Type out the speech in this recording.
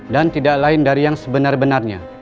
dan tidak lain dari yang sebenar benarnya